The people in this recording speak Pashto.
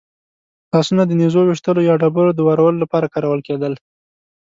لاسونه د نېزو ویشتلو یا ډبرو د وارولو لپاره کارول کېدل.